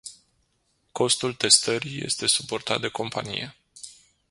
Costul testării este suportat de companie.